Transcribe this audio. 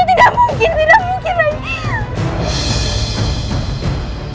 itu tidak mungkin tidak mungkin ayah